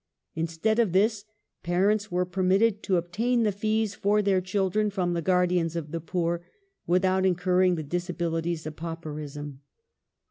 Instead of this, parents were permitted to obtain the fees for their children from the Guardians of the Poor, without incurring the disabilities of pauperism.